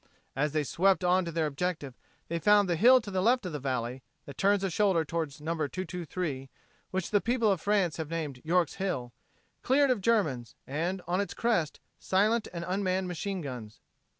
As they swept on to their objective they found the hill to the left of the valley, that turns a shoulder toward No. 223 which the people of France have named "York's Hill" cleared of Germans, and on its crest, silent and unmanned machine guns.